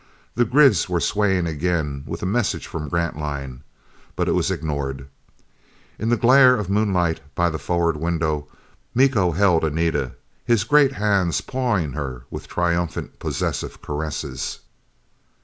The grids were swaying again with a message from Grantline. But it was ignored. In the glare of moonlight by the forward window, Miko held Anita, his great hands pawing her with triumphant possessive caresses.